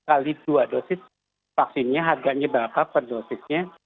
kali dua dosis vaksinnya harganya berapa per dosisnya